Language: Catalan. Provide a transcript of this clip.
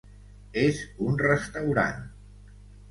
És un restaurant.